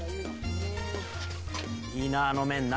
「いいなあの麺な」